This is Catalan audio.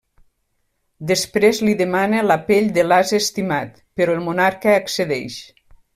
Després li demana la pell de l'ase estimat, però el monarca accedeix.